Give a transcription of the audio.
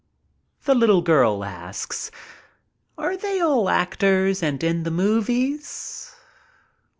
The little girl asks: "Are they all actors and in the movies?